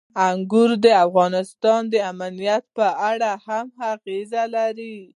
انګور د افغانستان د امنیت په اړه هم اغېز لري.